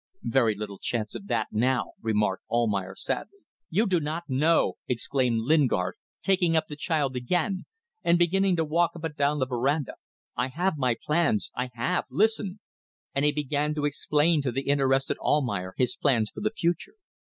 "Very little chance of that now," remarked Almayer, sadly. "You do not know!" exclaimed Lingard, taking up the child again, and beginning to walk up and down the verandah. "I have my plans. I have listen." And he began to explain to the interested Almayer his plans for the future.